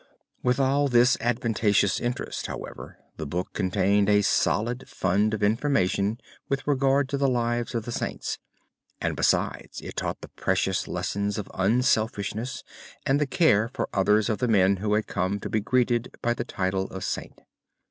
With all this adventitious interest, however, the book contained a solid fund of information with regard to the lives of the Saints, and besides it taught the precious lessons of unselfishness and the care for others of the men who had come to be greeted by the title of Saint.